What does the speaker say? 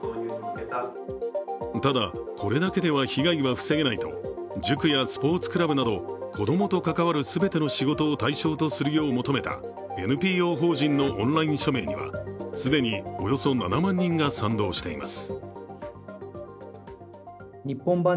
ただ、これだけでは被害は防げないと塾やスポーツクラブなど子供と関わる全ての仕事を対象とするよう求めたＮＰＯ法人のオンライン署名には既におよそ７万人が賛同しています。